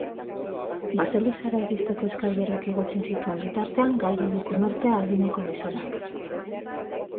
Baselizara iristeko eskailerak igotzen zituen bitartean galdu du konortea adineko gizonak.